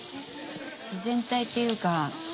自然体っていうか。